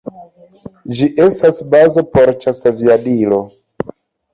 Ĝi estas bazo por ĉasaviadiloj.